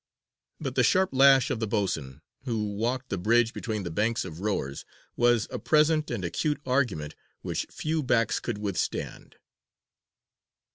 But the sharp lash of the boatswain, who walked the bridge between the banks of rowers, was a present and acute argument which few backs could withstand.